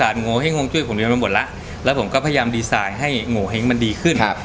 โทรมาถามที่คลินิคครับ